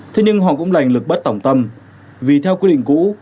thế nhưng họ cũng lành lực bất tỏng tâm vì theo quy định cũ